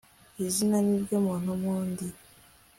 izina ni ryo muntu mundi